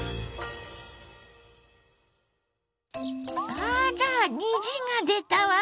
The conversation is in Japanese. あら虹が出たわ！